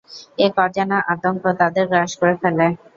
এক অজানা আতঙ্ক তাদের গ্রাস করে ফেলে।